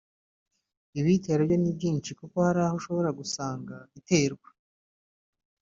ibiyitera byo ni byinshi kuko hari aho ushobora gusanga iterwa